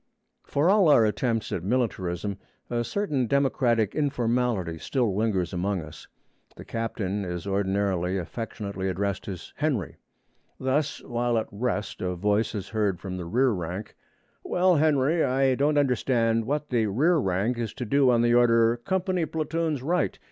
For all our attempts at militarism, a certain democratic informality still lingers among us. The captain is ordinarily affectionately addressed as 'Henry.' Thus, while at rest, a voice is heard from the rear rank: 'Well, Henry, I don't understand what the rear rank is to do on the order, "Company platoons right."